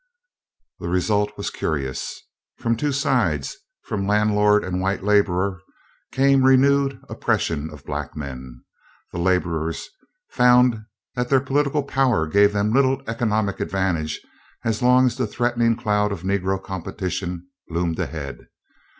The result was curious. From two sides, from landlord and white laborer, came renewed oppression of black men. The laborers found that their political power gave them little economic advantage as long as the threatening cloud of Negro competition loomed ahead.